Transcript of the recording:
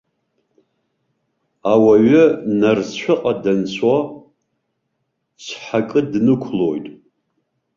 Ауаҩы нарцәыҟа данцо, цҳакы днықәлоит.